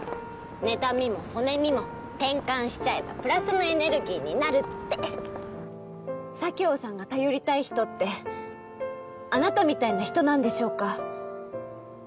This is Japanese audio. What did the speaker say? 妬みもそねみも転換しちゃえばプラスのエネルギーになるって佐京さんが頼りたい人ってあなたみたいな人なんでしょうか？